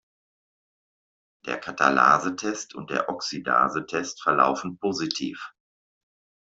Der Katalase-Test und der Oxidase-Test verlaufen positiv.